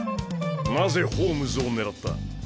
なぜホームズを狙った？